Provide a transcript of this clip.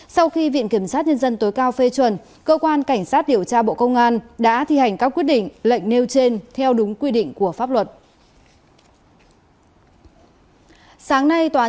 sau khi viện kiểm sát nhân dân tối cao phê chuẩn cơ quan cảnh sát điều tra bộ công an đã thi hành các quyết định lệnh nêu trên theo đúng quy định của pháp luật